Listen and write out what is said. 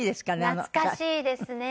懐かしいですね